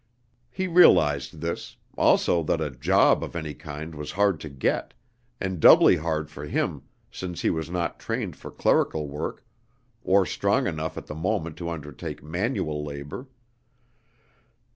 He realized this, also that a "job" of any kind was hard to get, and doubly hard for him since he was not trained for clerical work or strong enough at the moment to undertake manual labor.